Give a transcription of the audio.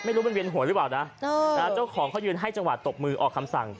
ไม่รู้มันเวียนหัวหรือเปล่านะเจ้าของเขายืนให้จังหวะตบมือออกคำสั่ง